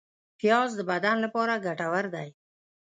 پیاز د بدن لپاره ګټور دی